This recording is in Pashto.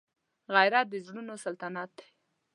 غیرت د زړونو سلطنت دی